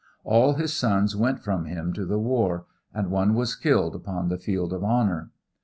All his sons went from him to the war, and one was killed upon the field of honor.